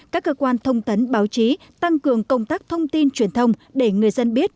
các cơ quan thông tấn báo chí tăng cường công tác thông tin truyền thông để người dân biết